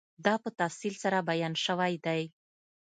دا په تفصیل سره بیان شوی دی